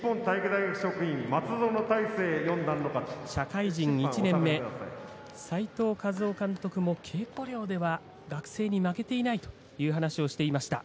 社会人１年目齋藤一雄監督も稽古量では学生に負けていないと話していました。